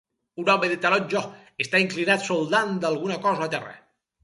Un home de taronja està inclinat soldant alguna cosa a terra